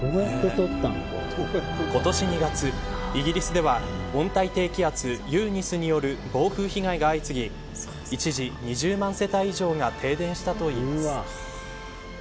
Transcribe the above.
今年２月、イギリスでは温帯低気圧、ユーニスによる暴風被害が相次ぎ一時、２０万世帯以上が停電したといいます。